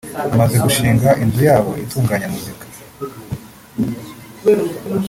bamaze gushinga inzu yabo itunganya muzika